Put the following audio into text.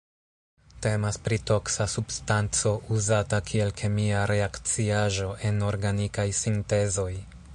Temas pri toksa substanco uzata kiel kemia reakciaĵo en organikaj sintezoj.